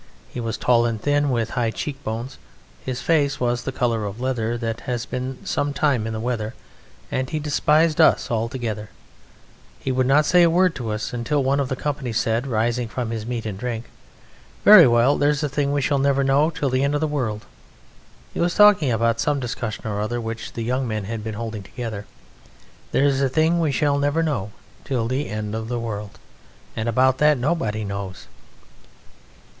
He was tall and thin, with high cheekbones. His face was the colour of leather that has been some time in the weather, and he despised us altogether: he would not say a word to us, until one of the company said, rising from his meat and drink: "Very well, there's a thing we shall never know till the end of the world" (he was talking about some discussion or other which the young men had been holding together). "There's a thing we shall never know till the end of the world and about that nobody knows!"